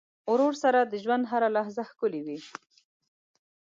ورور سره د ژوند هره لحظه ښکلي وي.